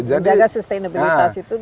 menjaga sustenabilitas itu